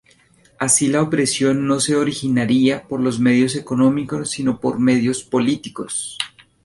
Así la opresión no se originaría por medios económicos sino por medios políticos.